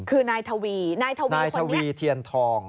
คือนายทวีนายทวีเทียนทอง